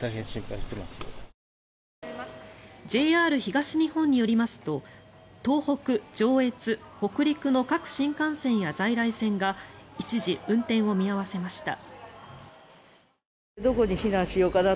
ＪＲ東日本によりますと東北、上越、北陸の各新幹線や在来線が一時、運転を見合わせました。